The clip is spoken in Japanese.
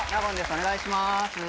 お願いします。